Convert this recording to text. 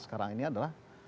sekarang ini adalah